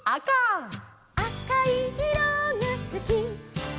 「あかいいろがすき」